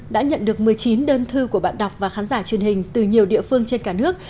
đã nhận được một mươi chín đơn thư của bạn đọc và khán giả truyền hình từ nhiều địa phương trên cả nước